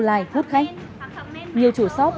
like hút khách nhiều chủ shop